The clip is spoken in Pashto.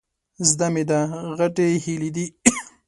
زده مې ده، غټې هيلۍ دي.